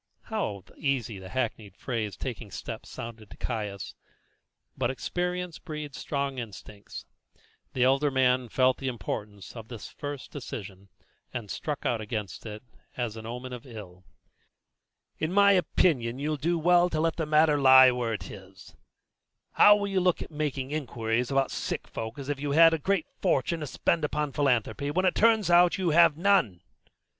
How easy the hackneyed phrase "taking steps" sounded to Caius! but experience breeds strong instincts. The elder man felt the importance of this first decision, and struck out against it as an omen of ill. "In my opinion you'll do well to let the matter lie where it is. How will you look making inquiries about sick folk as if you had a great fortune to spend upon philanthropy, when it turns out that you have none?